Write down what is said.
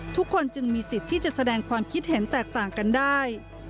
ทุกคนจึงมีสิทธิ์ที่จะแสดงความคิดเห็นแตกต่างกันได้